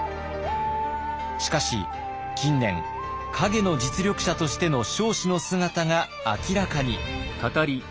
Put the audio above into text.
しかし近年陰の実力者としての彰子の姿が明らかに。